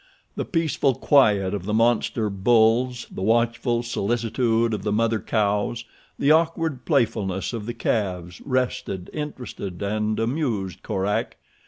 The peaceful quiet of the monster bulls, the watchful solicitude of the mother cows, the awkward playfulness of the calves rested, interested, and amused Korak.